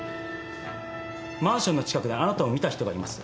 マンションの近くであなたを見た人がいます。